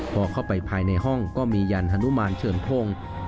พอเข้าไปภายในห้องก็มียันฮนุมานเชิงทง